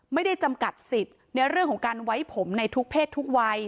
ไม่ได้จำกัดสิทธิ์ในเรื่องของการไว้ผมในทุกเพศทุกวัย